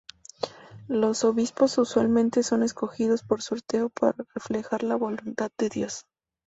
Los obispos usualmente son escogidos por sorteo para reflejar la voluntad de Dios.